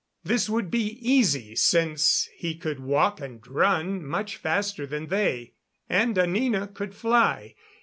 This would be easy since he could walk and run much faster than they, and Anina could fly.